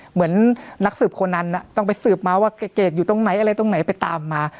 เหมือนนักสืบคนนั้นต้องไปสืบมาว่าเกรดอยู่ตรงไหนอะไรตรงไหนไปตามมา